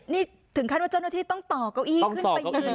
นี่ถึงขั้นว่าเจ้าหน้าที่ต้องต่อเก้าอี้ขึ้นไปยืน